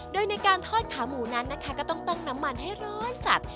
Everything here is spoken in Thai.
โดยในการทอดขาหมูนั้นนะคะก็ต้องตั้งน้ำมันให้ร้อนจัด